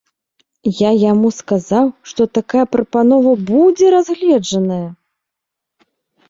Я яму сказаў, што такая прапанова будзе разгледжаная!